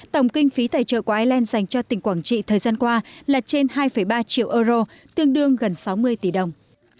tổng kinh phí tài trợ của ireland dành cho tỉnh quảng trị thời gian qua là trên hai ba triệu euro tương đương gần sáu mươi tỷ đồng